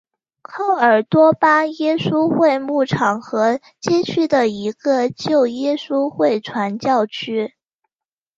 科尔多巴耶稣会牧场和街区的一个旧耶稣会传教区。